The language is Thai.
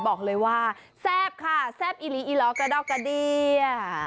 บอกเลยว่าแซ่บค่ะแซ่บอิลีอีหลอกระดอกกระเดีย